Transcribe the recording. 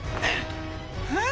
えっ？